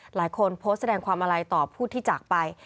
หลายคนโพสต์แสดงความอะไรต่อผู้ที่จากไป